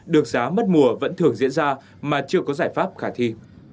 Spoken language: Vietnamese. được giá mất mùa vẫn thường diễn ra mà chưa có giải pháp khả thi